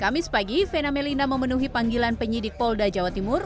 kamis pagi vena melina memenuhi panggilan penyidik polda jawa timur